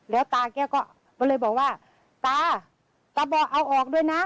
แล้วแตบก็บอกว่าตาร์เอาออกด้วยนะ